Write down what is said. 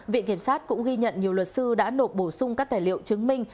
viện kiểm sát cũng ghi nhận nhiều luật sư đã nộp bổ sung các tài liệu chứng minh